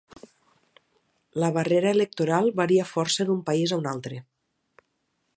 La barrera electoral varia força d'un país a un altre.